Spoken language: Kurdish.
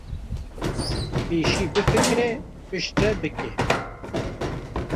pêşî bifikire piştre bike